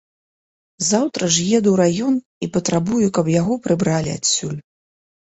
Заўтра ж еду ў раён і патрабую, каб яго прыбралі адсюль.